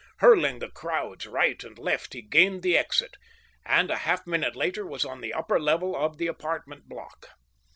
Hurling the crowds right and left he gained the exit, and a half minute later was on the upper level of the apartment block.